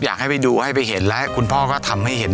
อยากให้ไปดูให้ไปเห็น